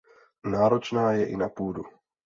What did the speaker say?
Náročná je i na půdu.